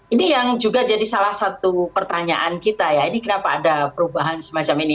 ini yang juga jadi salah satu pertanyaan kita ya ini kenapa ada perubahan semacam ini